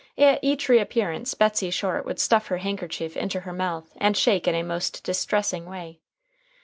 At each reappearance Betsey Short would stuff her handkerchief into her mouth and shake in a most distressing way.